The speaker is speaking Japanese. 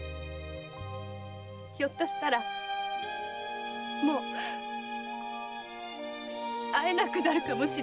「ひょっとしたらもう会えなくなるかもしれない」と！